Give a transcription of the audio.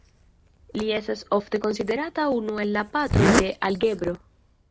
Li estas ofte konsiderata unu el la patroj de algebro.